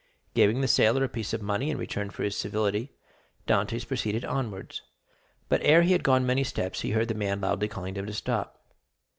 Giving the sailor a piece of money in return for his civility, Dantès proceeded onwards; but ere he had gone many steps he heard the man loudly calling him to stop.